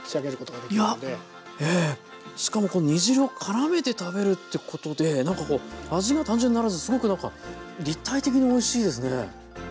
しかも煮汁を絡めて食べるってことでなんかこう味が単純にならずすごくなんか立体的においしいですね。